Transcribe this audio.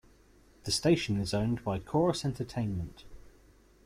The station is owned by Corus Entertainment.